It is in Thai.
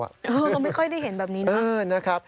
ไม่ค่อยได้เห็นแบบนี้นะ